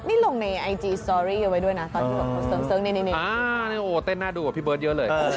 ไม่เต้นก็อาจจะหน้าดู